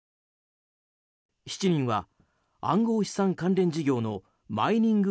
７人は暗号資産関連事業のマイニング